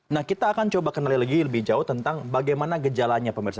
nah kita akan coba kenali lagi lebih jauh tentang bagaimana gejalanya pemirsa